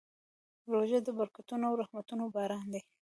روژه د برکتونو او رحمتونو باران دی.